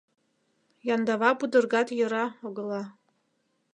Яндава пудыргат йӧра огыла.